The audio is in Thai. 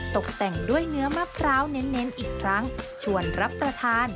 ตกแต่งด้วยเนื้อมะพร้าวเน้นอีกครั้งชวนรับประทาน